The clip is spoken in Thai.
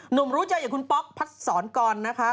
หนุ่มรู้จัยอย่างคุณป๊อกพัดศรก่อนนะฮะ